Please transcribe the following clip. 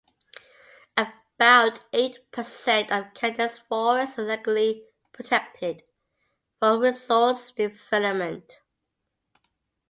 About eight percent of Canada's forest is legally protected from resource development.